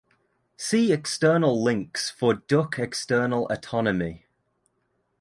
See External Links for duck external anatomy.